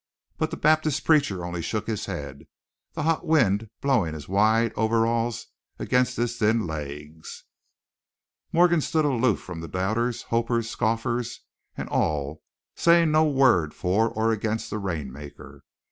But the Baptist preacher only shook his head, the hot wind blowing his wide overalls against his thin legs. Morgan stood aloof from doubters, hopers, scoffers, and all, saying no word for or against the rainmaker.